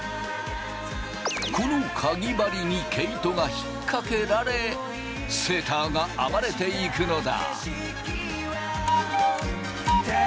このかぎ針に毛糸が引っ掛けられセーターが編まれていくのだ。